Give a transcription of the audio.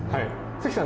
関さん